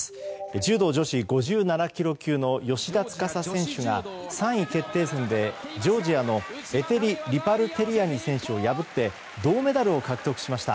柔道女子５７ｋｇ級の芳田司選手が３位決定戦でジョージアのエテリ・リパルテリアニ選手を破って銅メダルを獲得しました。